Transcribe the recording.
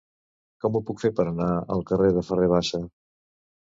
Com ho puc fer per anar al carrer de Ferrer Bassa?